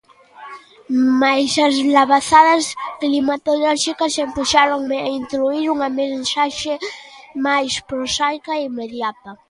Mais as labazadas climatolóxicas empuxáronme a intuír unha mensaxe máis prosaica e inmediata.